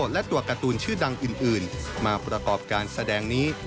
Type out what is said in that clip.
และตัวการ์ตูนชื่อดังอื่นมาประกอบการแสดงนี้